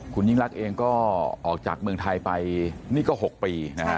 คุณยิ่งรักเองก็ออกจากเมืองไทยไปนี่ก็๖ปีนะฮะ